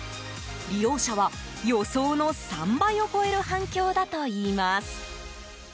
利用者は予想の３倍を超える反響だといいます。